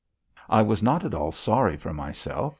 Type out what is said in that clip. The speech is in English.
I was not at all sorry for myself.